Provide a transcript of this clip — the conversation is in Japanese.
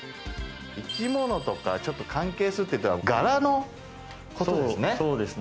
生きものとか関係するっていうのは柄のことですね。